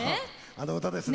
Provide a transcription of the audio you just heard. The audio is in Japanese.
あの歌ですね。